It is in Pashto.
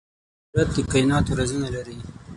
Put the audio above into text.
قدرت د کائناتو رازونه لري.